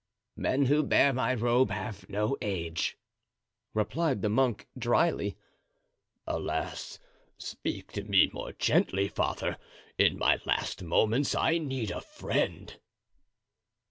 "Men who bear my robe have no age," replied the monk, dryly. "Alas, speak to me more gently, father; in my last moments I need a friend."